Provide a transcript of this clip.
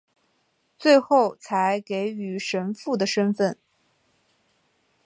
最后才给予神父的身分。